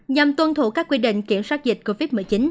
nhằm tuân thủ các quy định kiểm soát dịch covid một mươi chín